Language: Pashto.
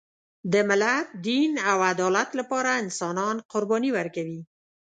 د ملت، دین او عدالت لپاره انسانان قرباني ورکوي.